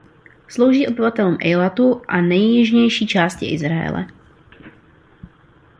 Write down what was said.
Slouží obyvatelům Ejlatu a nejjižnější části Izraele.